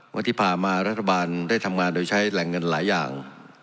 ว่าที่ผ่านมารัฐบาลได้ทำงานโดยใช้แหล่งเงินหลายอย่าง